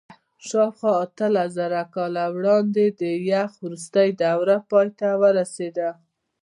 شاوخوا اتلسزره کاله وړاندې د یخ وروستۍ دوره پای ته ورسېده.